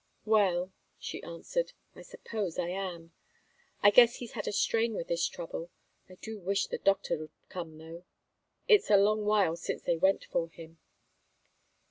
"Well," she answered, "I suppose I am. I guess he's had a strain with this trouble. I do wish the doctor'd come, though. It's a long while since they went for him."